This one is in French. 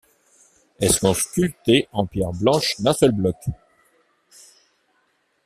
Elles sont sculptées en pierre blanche d'un seul bloc.